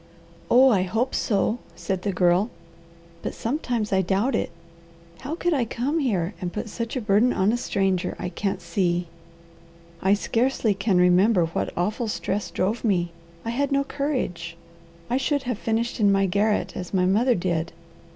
"Oh I hope so!" said the Girl. "But sometimes I doubt it. How I could come here and put such a burden on a stranger, I can't see. I scarcely can remember what awful stress drove me. I had no courage. I should have finished in my garret as my mother did.